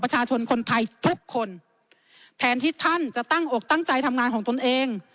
ประชาชนคนไทยทุกคนแทนที่ท่านจะตั้งอกตั้งใจทำงานของตนเอง